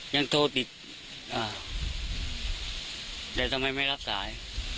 ยังโทรติดอ่าแต่ทำไมไม่รับสาย